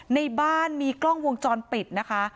ในบ้านมีกล้องวงจรปิดนะคะ